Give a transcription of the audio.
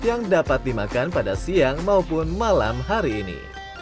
yang dapat dimakan pada siang maupun malam hari ini